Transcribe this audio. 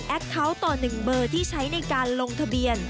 เขาต่อ๑เบอร์ที่ใช้ในการลงทะเบียน